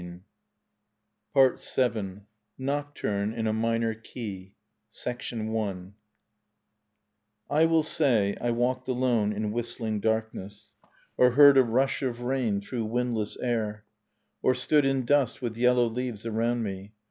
i (S6] I9I7 NOCTURNE IN A MINOR KEY ; I i I will say: I walked alone in whistling darkness. j Or heard a rush of rain through windless air. Or stood in dust with yellow leaves around me.